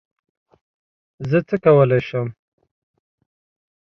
زه څه کولی شم؟